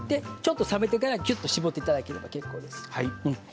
ちょっと冷めてからキュッと絞っていただければ結構です。